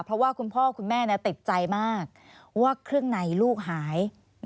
เพราะว่าคุณพ่อคุณแม่ติดใจมากว่าเครื่องในลูกหาย